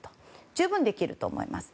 十分できると思います。